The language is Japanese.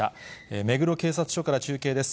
目黒警察署から中継です。